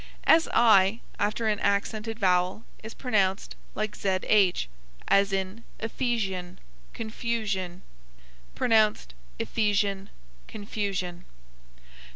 SI, after an accented vowel, is pronounced like zh; as in Ephesian, coufusion; pronounced Ephezhan, confushon.